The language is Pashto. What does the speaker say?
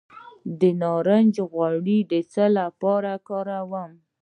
د نارنج غوړي د څه لپاره وکاروم؟